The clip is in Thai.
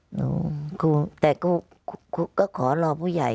หนูครูแต่ครูก็ขอรอผู้ใหญ่